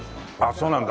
そうなんだ。